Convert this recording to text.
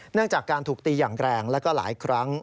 จากการถูกตีอย่างแรงแล้วก็หลายครั้ง